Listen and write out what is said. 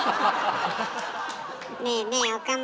ねえねえ岡村。